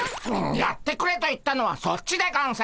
やってくれと言ったのはそっちでゴンス。